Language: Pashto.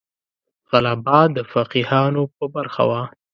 غلبه د فقیهانو په برخه وه.